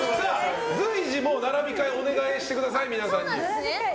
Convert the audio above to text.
随時、並び替えをお願いしてください。